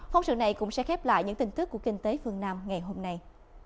phóng sự này cũng sẽ khép lại những tin tức của kinh tế phương nam ngày hôm nay